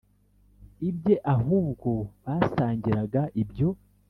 ibye ahubwo basangiraga ibyo